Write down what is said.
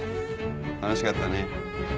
楽しかったね。